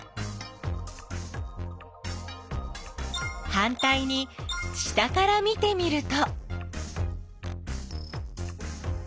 はんたいに下から見てみると。